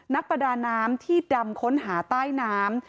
นักประดาน้ำที่ดำค้นหาใต้น้ำ